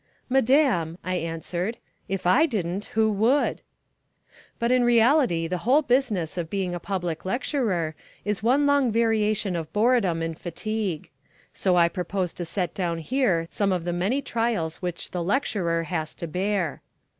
"Madam," I answered, "if I didn't, who would?" But in reality the whole business of being a public lecturer is one long variation of boredom and fatigue. So I propose to set down here some of the many trials which the lecturer has to bear.